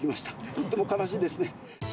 とってもかなしいんですね。